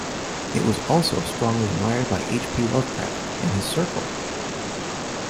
It was also strongly admired by H. P. Lovecraft and his circle.